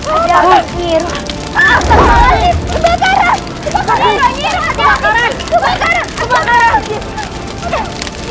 ada api sendiri